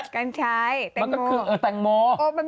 การใช้แต่งโม